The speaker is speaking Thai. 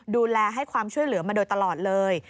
ดูแลให้ความช่วยเหลือมาโดยตลอดเลย